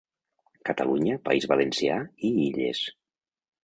Catalunya, País Valencià i Illes.